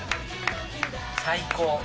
最高。